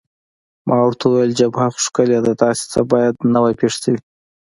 ما ورته وویل: جبهه خو ښکلې ده، داسې څه باید نه وای پېښ شوي.